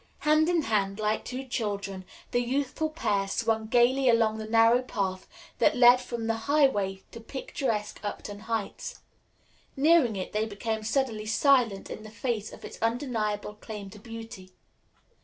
Hand in hand, like two children, the youthful pair swung gayly along the narrow path that led from the highway to picturesque Upton Heights. Nearing it, they became suddenly silent in the face of its undeniable claim to beauty.